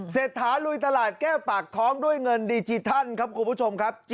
เศรษฐาลุยตลาดแก้วปากท้องด้วยเงินดิจิทัลครับคุณผู้ชมครับ